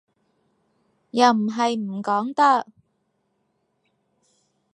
又唔係唔講得